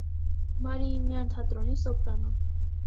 Մարիինյան թատրոնի սոպրանո։